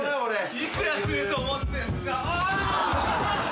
幾らすると思ってんすか！